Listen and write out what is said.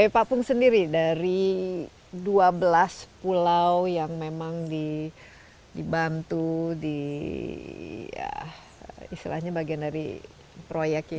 pak pung sendiri dari dua belas pulau yang memang dibantu di istilahnya bagian dari proyek ini